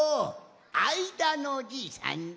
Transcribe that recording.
あいだのじいさんじゃ。